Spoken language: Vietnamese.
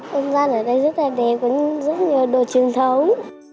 không gian ở đây rất là đẹp có rất nhiều đồ truyền thống